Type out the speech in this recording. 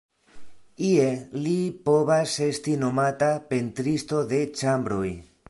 Ie li povas esti nomata pentristo de ĉambroj.